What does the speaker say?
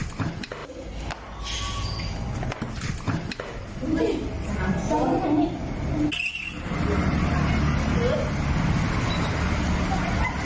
โปรดโปรดโปรดโปรดแล้วพอครับ